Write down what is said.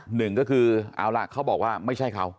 หนึ่งก็คือเอาล่ะเขาบอกว่าไม่ใช่เขา